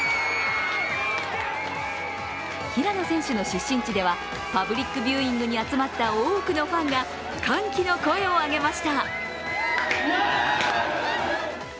平野選手の出身地ではパブリックビューイングに集まった多くのファンが歓喜の声を上げました。